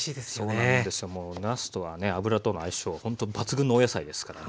もうなすとはね油との相性ほんと抜群のお野菜ですからね。